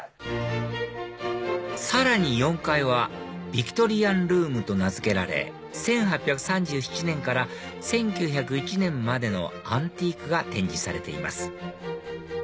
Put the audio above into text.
さらに４階はヴィクトリアンルームと名付けられ１８３７年から１９０１年までのアンティークが展示されています